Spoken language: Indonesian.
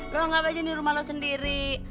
lo ngapain aja di rumah lo sendiri